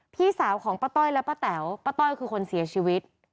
พี่สาวของป้าต้อยและป้าแต๋วป้าต้อยคือคนเสียชีวิต